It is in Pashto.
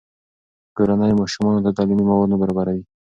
کورنۍ ماشومانو ته تعلیمي مواد نه برابروي.